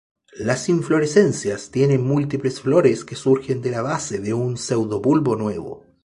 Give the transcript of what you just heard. Las inflorescencias tienen múltiples flores que surgen de la base de un pseudobulbo nuevo.